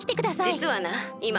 じつはないま